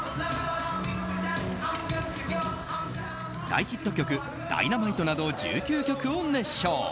大ヒット曲「Ｄｙｎａｍｉｔｅ」など１９曲を熱唱。